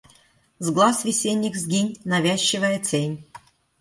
С глаз весенних сгинь, навязчивая тень!